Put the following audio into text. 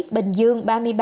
bình dương ba mươi ba